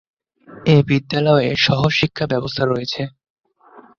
এ বিদ্যালয়ে সহ-শিক্ষা ব্যবস্থা রয়েছে।